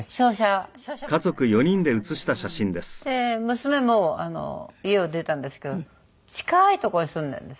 娘も家を出たんですけど近いとこに住んでるんです。